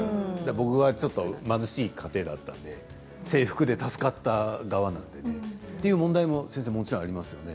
僕はちょっと貧しい家庭だったので制服で助かった側なのでという問題もありますよね。